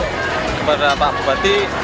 kepada pak bupati